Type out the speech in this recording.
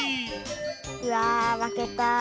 うわまけた。